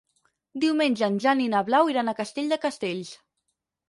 Diumenge en Jan i na Blau iran a Castell de Castells.